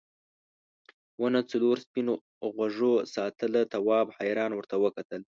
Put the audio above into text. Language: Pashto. ونه څلورو سپین غوږو ساتله تواب حیران ورته وکتل.